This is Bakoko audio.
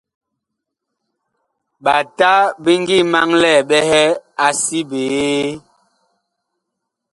Ɓata bi ngi maŋlɛɛ ɓɛhɛ a si biee.